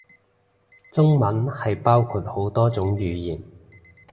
中文係包括好多種語言